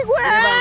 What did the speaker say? udah jujurin gue